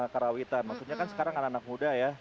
karena itu kan sekarang anak anak muda ya